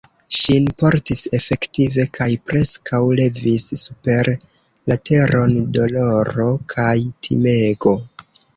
Ŝin portis efektive kaj preskaŭ levis super la teron doloro kaj timego.